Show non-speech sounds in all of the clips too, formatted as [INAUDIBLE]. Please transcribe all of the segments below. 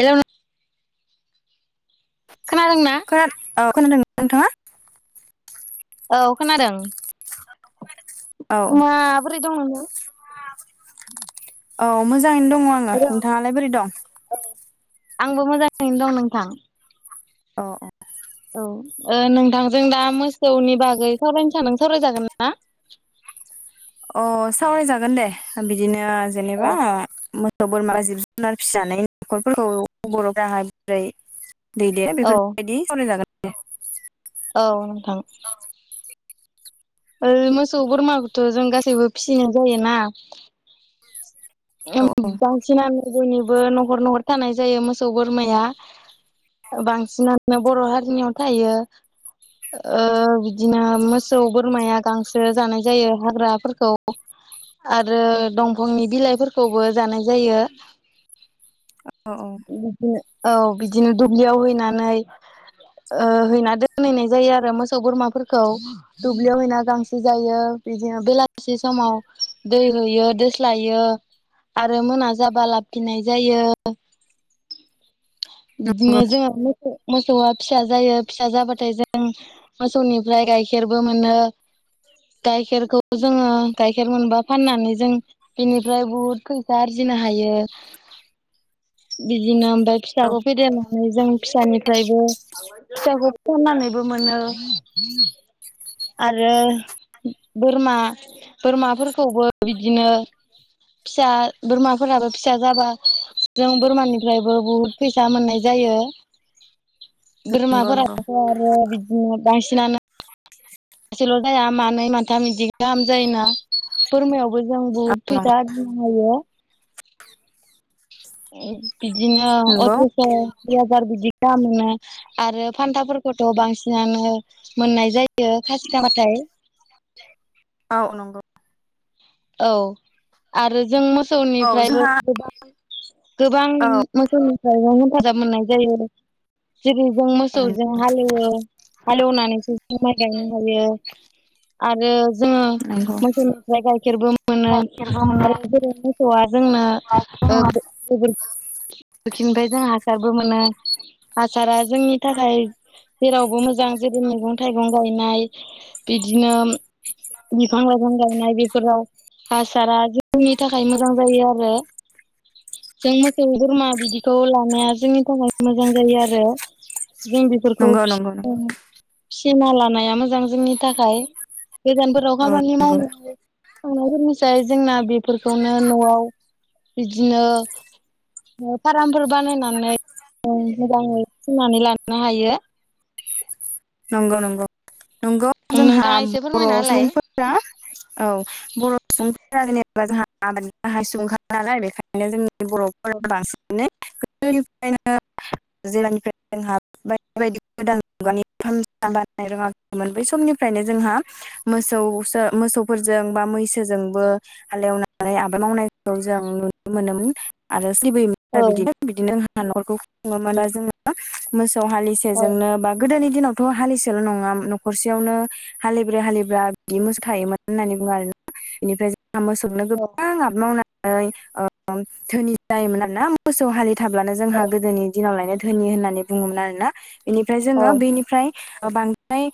Hello खोनादोंना खोना औ खोनादोंना नोंथाङा औ खोनादों औ माबोरै दं नोंजों औ मोजाङैनो दङ आङो नोंथां? नोंथाङालाय बोरै दं आंबो मोजाङैनो दं नोंथां अ औ नोंथांजों दा मोसौनि बागै सावरायनो सानदों सावराय जागोनना अ सावरायजागोन दे बिदिनो जेनेबा औ मोसौ बोरमा जिब जुनार फिसिनानै न'खरफोरखौ बर'फोराहाय बोरै दैदे बेफोरबायदि सावराय जागोन औ नोंथां ओ मोसौ बोरमाखौथ' जों गासैबो फिसिनाय जायोना औ बांसिनानो बयनिबो न'हर नहर थानाय जायो मोसौ बोरमाया बांसिनानो बर' हारिनियाव थायो बिदिनो मोसौ बोरमाया गांसो जानाय जायो हाग्राफोरखौ आरो दंफांनि बिलाइफोरखौबो जानाय जायो औ-औ बिदिनो औ बिदिनो दुब्लियाव हैनानै ओ हैना दोनहैनाय जायो आरो मोसौ बोरमाफोरखौ दुब्लियाव हैना गांसो जायो बिदिनो बेलासि समाव दै होयो दोस्लायो आरो मोना जाबा लाब फिननाय जायो बिदिनो नंगौ जोंहा मोसौ मोसौआ फिसा जायो फिसा जाबाथाय जों मोसौनिफ्राय गाइखेरबो मोनो गाइखेरखौ जोङो गाइखेर मोनबा फाननानै जों बिनिफ्राय बुहुद फैसा आरजिनो हायो बिदिनो ओमफ्राय औ फिसाखौ फेदेरनानै जों फिसानिफ्रायबो फिसाखौ फाननानैबो मोनो आरो बोरमा बोरमाफोरखौबो बिदिनो फिसा बोरमाफोराबो फिसा जाबा जों बोरमानिफ्रायबो बुहुद फैसा मोननाय जायो नंगौ नंगौ बोरमाफोराबोथ' आरो बिदिनो बांसिनानो सासेल' जाया मानै माथाम इदि गाहाम जायोना बोरमायावबो जों औ बहुद नंगौ फैसा आरजिनो होायो बिदिनो नंगौ अथ्र'स' दुइ हाजार बिदि गामो आरो फान्थाफोरखौथ' बांसिनानो मोननाय जायो खासिखामबाथाय औ नंगौ औ आरो जों औ मोसौनिफ्रायबो जोंहा गोबां गोबां मोसौनिफ्रायनो हेफाजाब मोननाय जायो जेरै जों मोसौजों हालेवो हालेवनानैसो जों माइ गायनो हायो आरो जोङो नंगौ मोसौनिफ्राय गाइखेर बो मोनो आरो जेरै मोसौआ जोंनो गोबोरखिनिफ्राय जों हासारबो मोनो हासारा जोंनि थाखाय जेरावबो मोजां जेरै मैगं थाइगं गायनाय बिदिनो बिफां लाइफां गायनाय बे फोराव हासारा जोंनि थाखाय मोजां जायो आरो जों मोसौ बोरमा बिदिखौ लानाया जोंनि थाखाय मोजां जायो आरो जों बेफोरखौ नंगौ नंगौ नंगौ फिनो फिना लानाया मोजां जोंनि थाखाय गोजानफोराव औ खामानि नंगौ मावनो थांनायफोरनिसाय जोंना बेफोरखौनो न'आव बिदिनो फार्मफोर बानायनानै मोजाङै फिनानै लानो हायो नंगौ नंगौ नंगौ जोंहा नोंथाङा एसे बर' फोरमायना होलाय सुबुंफोर फोरा औ बर' सुबुंफोरा जेनेबा जोंहा आबादनि गाहाय सुबुं नालाय बेखायनो जोंनि औ बर'फोरा बांसिनै गोदोनिफ्रायनो [UNINTELLIGIBLE] निफ्राय जोंहा बायदि बायदि गोदान [UNINTELLIGIBLE] बानायनो रोङाखैमोन बै समनिफ्रायनो जोंहा मोसौ मोसौफोरजों बा मैसोजोंबो हालेवनानै आबाद मावनायखौ जों नुनो मोनोमोन आरो सोलिबोयोमोन आरो औ बिदिनो बिदिनो जोंहा नखरखौ खुङोमोन आरो जोङो मोसौ औ हालिसेजोंनो बा गोदोनि दिनावथ' हालिसेल' नङा न'खरसेयावनो हालिब्रै हालिबा बिदि मोसौ थायोमोन होननानै बुङो आरोना बेनिफ्राय जों मोसौनो औ गोबां आबाद मावनानै धोनि जायोमोन आरोना मोसौ हालि थाब्लानो जोंहा औ गोदोनि दिनाव लायनो धोनि होननानै बुङोमोन आरोना बेनिफ्राय औ जोङो बेनिफ्राय बांद्राय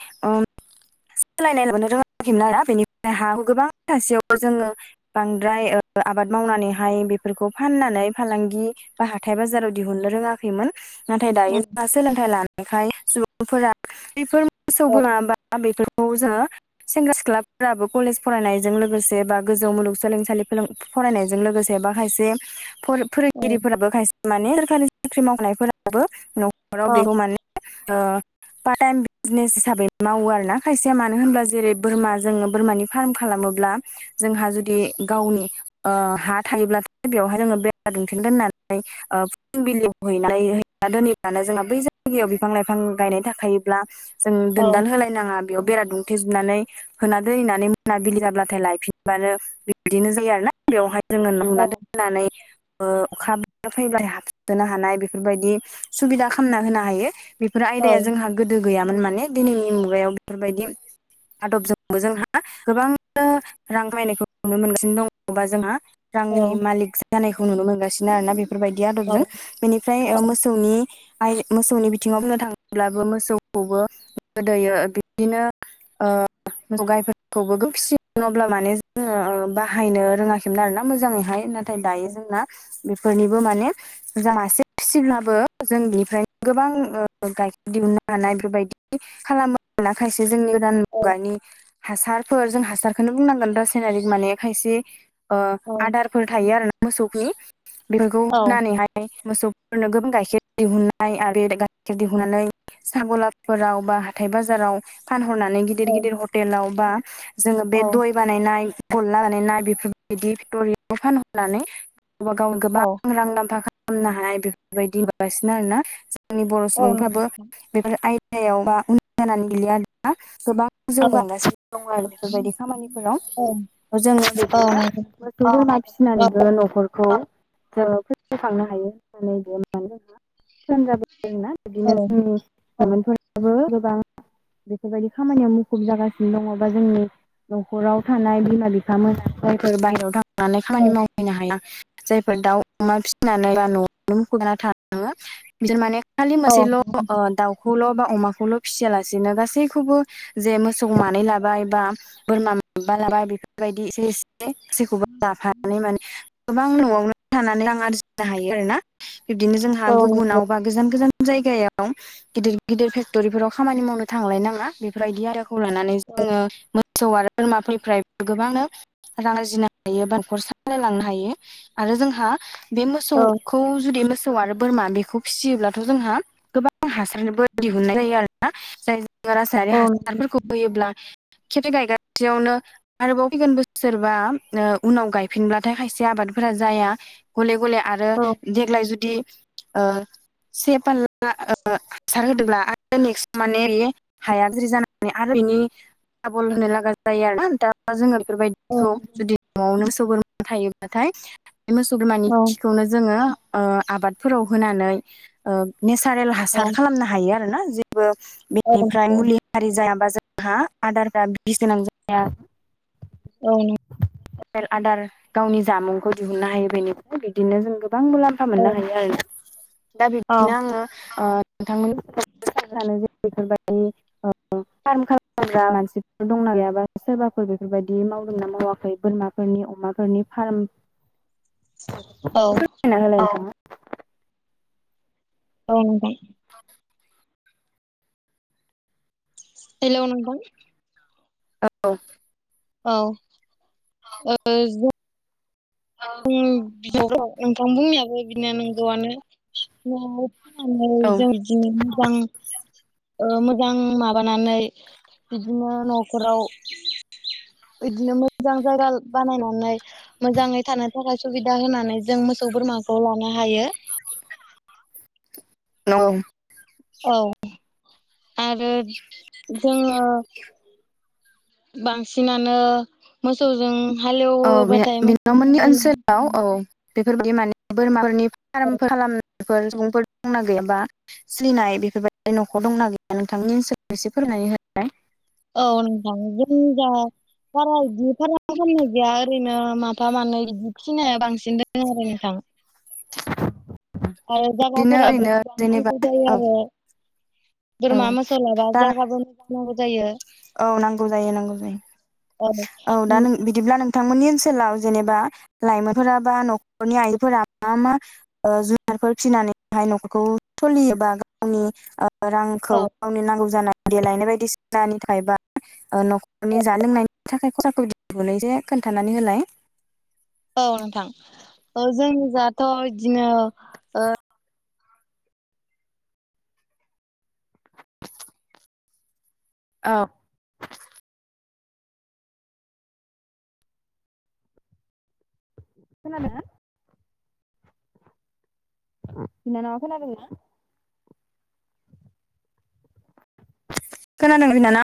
सोलायनाय नुबोनो रोङाखैमोन आरोना बेनिफ्राय हा हु गोबां थासेयावबो जोङो बांद्राय आबाद मावनानैहाय बेफोरखौ फाननानै फालांगि बा हाथाय बाजाराव दिहुननो रोङाखैमोन नाथाय दायो जोंहा सोलोंथाइ लानायखाय सुबुंफोरा बेफोर मोसौ औ बोरमा बा बेफोर औ जोङो सेंग्रा सिख्लाफोराबो कलेज फरायनायजों लोगोसे बा गोजौ मुलुगसोलोंसालि [UNINTELLIGIBLE] फरायनायजों लोगोसे बा खायसे औ फोरोंगिरिफोराबो खायसे माने सोरखारि साख्रि मावनायफोराबो न'खराव बेखौ माने ओ पार्ट टाइम बिजनेस हिसाबै मावो आरोना खायसेया मानो होनोब्ला जेरै बोरमा जोङो बोरमानि फार्म खालामोब्ला जोंहा जुदि गावनि हा थायोब्लाथाय' बेवहाय जोङो बेरा दुमथेना दोननानै फुंबिलियाव हैनानै दोनहैबानो जोंना बै जायगायाव बिफां लाइफां गायनाय थाखायोब्ला जों दोनदाल होलाय नाङा बेयाव बेरा दुमथेजोबनानै होना दोनहैनानै मोनाबिलि जाब्लाथाय लायफिनबानो बिब्दिनो जायो आरो ना बेवहाय जोङो लुना दोननानै अखा फैब्ला हाबसोनो हानाय बेफोरबायदि सुबिदा खालामना होनो हायो। बेफोर औ आयदाया जोंहा गोदो गैयामोन माने दिनैनि मुगायाव बेफोरबायदि आदबजोंबो जोंहा गोबां रां खामायनायखौ नुनो मोनगासिनो दङ बा जोंहा रांनि मालिक जानायखौ नुनो मोनगासिनो आरोना बे बेफोरबायदि आदबजों बेनिफ्राय मोसौनि मोसौनि बिथिङाव बुंनो थाङोब्लाबो मोसौखौबो गोदोयो बिदिनो ओ मोसौ गायफोरखौबो फियोमोन अब्ला माने जोङो बाहायनो रोङाखैमोन आरोना मोजाङैहाय ना नाथाय दायो जोंना बेफोरनिबो माने जों मासे फिसिब्लाबो जों बेनिफ्रायनो गोबां गाइखेर दिहुननो हानाय बेफोरबायदि खालामो ना खायसे जोंनि गोदान मुगानि [UNINTELLIGIBLE] हासारफोर जों हासारखौनो बुंनांगोन रासायनारि माने खायसे आदार फोर थायो आरोना मोसौखौ बे औ होनानैहाय [UNINTELLIGIBLE] मोसौफोरनो गोबां गाइखेर दिहुननाय आरो गाइखेर दिहुननानै साहा गलाफोराव बा हाथाय बाजाराव फानहरनानै गिदिर गिदिर हटेलाव बा जोङो बे दय बानायनाय हनलानानै [UNINTELLIGIBLE] ना बेफोरबायदि फेक्ट'रिखौ फानहरनानै गावबा गावनो गोबां रां मोलाम्फा खालामनो हानाय बेफोरबायदि नोगासिनो आरोना जोंनि बर' सुबुंफ्राबो बेफोर आयदायाव बा उन जानानै गैलिया आरो ना गोबां जौगागासिनो दङ आरो बेफोरबायदि खामानिफोराव जोङो बिदिनो मोसौ बोरमा फिसिनानैबो न'खरखौ ओ फोथांनो हायो होननानै बियो मानो जोंहा फोसाब ना [UNINTELLIGIBLE] बिदिनो औ जोंनि लाइमोनफोराबो बेफोरबायदि खामानियाव मुखुब जागासिनो दङ बा जोंनि न'खराव थानाय बिमा बिफा मोना जायफोर बाहेरायाव थांनानै खामानि औ माव हैनो हाया जायफोर दाउ अमा फिसिनानै ब न'आवनो मुखुब जाना थाङो बिजों माने खालि औ मोनसेल' दाउखौल' बा अमाखौल' फिसियालासेनो गासैखौबो जे मोसौ मानै लाबाय बा बोरमा माबा लाबा बेफोरबायदि एसे एसे जेखौबो लाफानानै माने गोबां न'आवनो थानानै रां आरजिनो हायो आरो ना बिब्दिनो जोंहा नंगौ गुबुनाव बा गोजान गोजान जायगायाव गिदिर गिदिर फेक्ट'रिफोराव खामानि मावनो थांलाय नाङा बेफोरबायदि आइदियाखौ लानानै औ जोङो मोसौ आरो बोरमाफोरनिफ्राय गोबाङानो [UNINTELLIGIBLE] रां आरजिनो हायो बा न'खर सामलायलांनो हायो आरो जोंहा बे औ मोसौखौ जुदि मोसौ आरो बोरमा बेखौ फिसियोब्लाथ' जोंहा गोबां हासार मोनो दिहुननाय जायो आरो ना जाय रासायारि औ नंगौ हासारफोरखौ होयोब्ला खेबसे गायगासेयावनो आरोबाव फैगोन बोसोरबा उनाव गायफिनब्लाथाय खायसे आबादफोरा जाया गले गले आरो औ देग्लाय जुदि से फाल हासार होदोंब्ला आरो नेकस माने हाया जाया [UNINTELLIGIBLE] माने आरो बिनि दाबल होनो लागा जायो आरोन दा मा जोङो [UNINTELLIGIBLE] औ बेफोरबायदिखौ नंगौ जुदि न'आवनो मोसौ बोरमा थायोब्लाथाय बे मोसौ बोरमानि औ खिखौनो जोङो आबादफोराव होनानै नेसारेल औ हासार खालामनो हायो आरोना जेबो बेनिफ्राय नंगौ औ मुलि हारि जायाबा जोंहा आदारफ्रा बिस गोनां जाया [UNINTELLIGIBLE] औ। नो [INAUDIBLE] रेल [UNINTELLIGIBLE] आदार गावनि जामुंखौ दिहुननो हायो बेनिफ्राय बिदिनो जों गोबां मुलाम फा मोननो हायो आरो दा बिदिनो आङो नोंथांमोनखौ [UNINTELLIGIBLE] जा जानो बेफोरबायदि [UNINTELLIGIBLE] फार्म खालामग्रा मानसिफोर दंना गैयाबा सोरबाफोर बेफोरबायदि मावदोंना मावाखै बोरमा फोरनि अमाफोरनि फार्म औ औ [UNINTELLIGIBLE] औ नोंथां औ हेल नोंथां औ औ बिब' नोंथां बुंनायाबो बिनो नंगौआनो [UNINTELLIGIBLE] फाननानै औ जों बिदिनो गोबां [UNINTELLIGIBLE] ओ मोजां माबानानै बिदिनो न'फोराव इदिनो मोजां जायगा बानायनानै मोजाङै थानो थाखाय सुबिदा होनानै जों मोसौ बोरमाखौ लानो हायो। नंगौ औ आरो जोङो बांसिनानो मोसौजों औ बेनो हालेवोबाथाय नोंथांमोननि मोजां ओनसोलाव औ बेफोरबायदि माने बोरमाफोरनि फारामफोर खालाम [UNINTELLIGIBLE] बेफोर सुबुंफोर दंना गैयाबा? [UNINTELLIGIBLE] सोलिनाय बेफोरबायदि न'खर दंना गैया नोंथांनि ओनसोलाव एसे फोरमनानै हो [UNINTELLIGIBLE] औ नोंथां जों जा बारा इदि बारा फाराम खालामनाय गैया ओरैनो माफा मानै इदि फिसिनाया बांसिन दोङो आरो नोंथां। ओमफाय बिदिनो जायगाफोराबो ओरैनो गोबां जेनेबा नांगौ जायो औ आरो। औ बोरमा मोसौ लाबा दा जागाबो मोजां नांगौ जायो। औ नांगौ जायो नांगौ औ जायो औ दा नों बिदिब्ला नोंथांमोननि ओनसोलाव जेनेबा लाइमोनफोरा बा नखरनि आइफोरा मा मा ओ जुनारफोर फिसिनानैहाय नखरखौ सलियो एबा गावनि रांखौ औ गावनि नांगौ जानाय देलायनाय बायदिसिनानि थाखाय बा ओ नखरनि जानाय लोंनायनि थाखाय खरसाखौनो दिहुनो जे खोन्थानानै होलाय। औ नोंथां ओ जोंनिजाथ' इदिनो औ खोनादोंना? बिनानावा खोनादोंना? खोनादों बिनानाव?